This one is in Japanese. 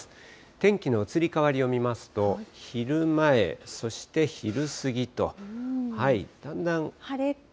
天気の移り変わりを見ますと、昼前、そして昼過ぎと、だんだん。